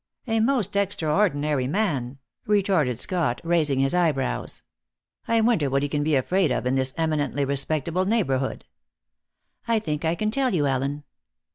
"A most extraordinary man!" retorted Scott, raising his eyebrows. "I wonder what he can be afraid of in this eminently respectable neighbourhood." "I think I can tell you, Allen."